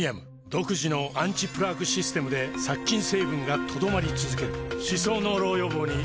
独自のアンチプラークシステムで殺菌成分が留まり続ける歯槽膿漏予防にプレミアム